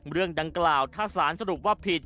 เรื่องดังกล่าวถ้าสารสรุปว่าผิด